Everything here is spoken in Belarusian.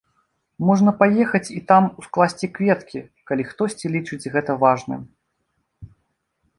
Можна паехаць і там ускласці кветкі, калі хтосьці лічыць гэта важным.